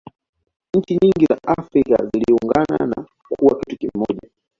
nchi nyingin za afrika ziliungana na kuwa kitu kimoja